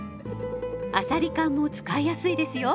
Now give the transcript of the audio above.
あさり缶も使いやすいですよ。